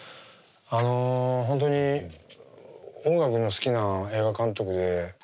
あの本当に音楽の好きな映画監督であの本当に